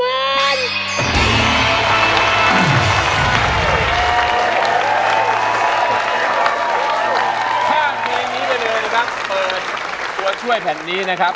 เปิดตัวช่วยแผ่นนี้นะครับ